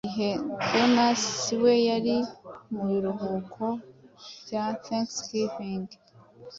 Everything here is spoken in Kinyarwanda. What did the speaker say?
mu gihe Jonas we yari mubiruhuko bya Thanksgiving